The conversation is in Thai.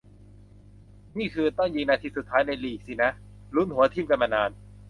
นี่คือ ต้องยิงนาทีสุดท้ายในลีกสินะ ลุ้นหัวทิ่มกันมานาน